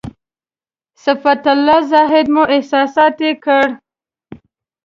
صفت الله زاهدي مو احساساتي کړ.